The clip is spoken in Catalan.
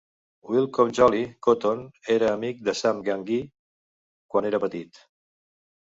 Wilcome "Jolly" Cotton era amic de Sam Gamgee quan era petit.